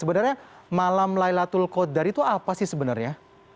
sebenarnya malam laylatul qadar itu apa sih sebenarnya